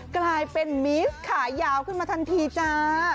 กลายเป็นมีสขายาวขึ้นมาทันทีจ้า